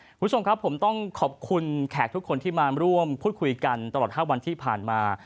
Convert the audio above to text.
คุณผู้ชมครับผมต้องขอบคุณแขกทุกคนที่มาร่วมพูดคุยกันตลอด๕วันที่ผ่านมา